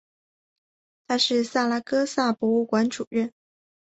他是萨拉戈萨博物馆主任。